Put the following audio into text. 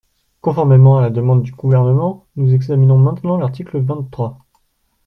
Conformément à la demande du Gouvernement, nous examinons maintenant l’article vingt-trois.